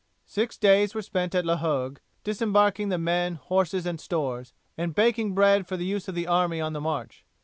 Six days were spent at La Hogue disembarking the men, horses, and stores, and baking bread for the use of the army on the march.